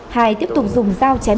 hai tiếp tục dùng dao chém